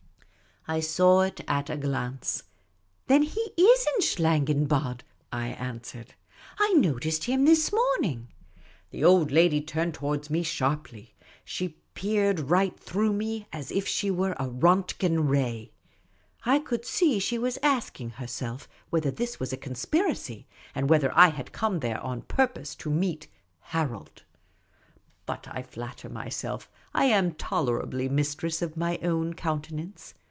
I saw it at a glance. Then he is in Schlangenbad," I answered. " I noticed him this morning." The old lad}^ turned towards me sharpl3^ She peered right through me, as if she were a Rontgen ray. I could see she was asking herself whether this was a conspiracy, and whether I had come there on purpose to meet " Harold." But I Matter myself I am tolerably mistress of my own countenance.